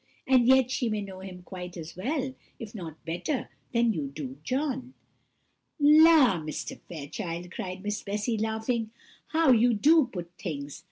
and yet she may know him quite as well, if not better, than you do John." "La! Mr. Fairchild," cried Miss Bessy, laughing, "how you do put things!